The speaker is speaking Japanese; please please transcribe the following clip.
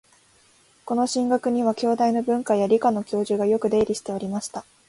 この「信楽」には、京大の文科や理科の教授がよく出入りしておりました